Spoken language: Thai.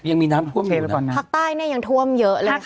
ยังมีน้ำท่วมอยู่ตอนนั้นภาคใต้เนี่ยยังท่วมเยอะเลยค่ะ